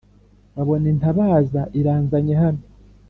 Babona intabaza iranzanye hano